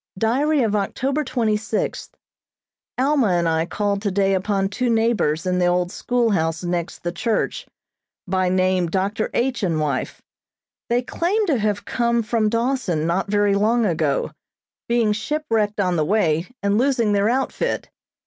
Diary of October twenty sixth: Alma and I called today upon two neighbors in the old schoolhouse next the church, by name Dr. H. and wife. They claim to have come from Dawson not very long ago, being shipwrecked on the way, and losing their outfit.